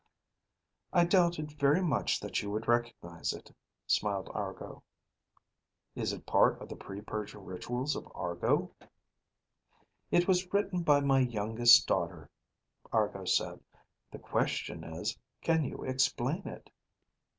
"I doubted very much that you would recognize it," smiled Argo. "Is it part of the pre purge rituals of Argo?" "It was written by my youngest daughter," Argo said. "The question is, can you explain it?"